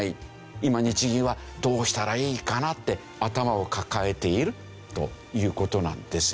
今日銀はどうしたらいいかなって頭を抱えているという事なんですよね。